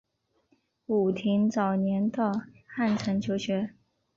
武亭早年到汉城求学。